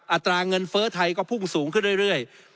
อัตราเงินเฟ้อไทยก็พุ่งสูงขึ้นเรื่อย